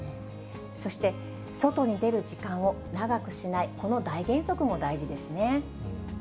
そして、外に出る時間を長くしない、この大原則も大事ですね。